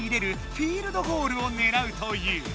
フィールドゴールをねらうという！